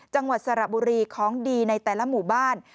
จังหวัดสระบุรีของดีในแต่ละหมู่บ้าน